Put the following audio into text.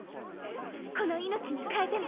この命に代えても。